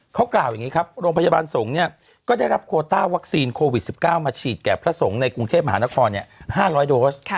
เขากล่าวอย่างนี้ครับโรงพยาบาลสงฆ์เนี่ยก็ได้รับโคต้าวัคซีนโควิด๑๙มาฉีดแก่พระสงฆ์ในกรุงเทพมหานคร๕๐๐โดส